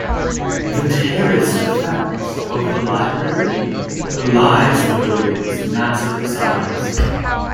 The terraced effect of the library belies the building's massive size.